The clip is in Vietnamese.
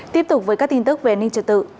tiếp tục với các tin tức về an ninh trật tự